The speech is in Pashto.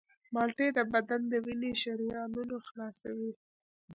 مالټې د بدن د وینې شریانونه خلاصوي.